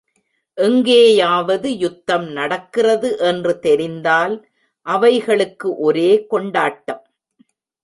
எங்கேயாவது யுத்தம் நடக்கிறது என்று தெரிந்தால், அவைகளுக்கு ஒரே கொண்டாட்டம்.